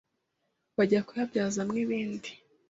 bajya kuyabyazamo ibindi